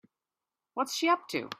What's she up to?